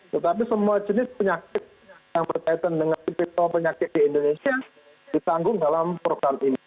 tetapi semua jenis penyakit yang berkaitan dengan tipe penyakit di indonesia ditanggung dalam program ini